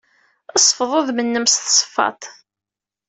Sfeḍ udem-nnem s tesfeḍt.